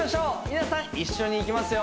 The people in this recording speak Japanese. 皆さん一緒にいきます